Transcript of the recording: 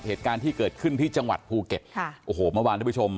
เหตุการณ์ที่เกิดขึ้นที่จังหวัดภูเก็ตค่ะโอ้โหเมื่อวานทุกผู้ชม